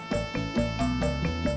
kata babek gua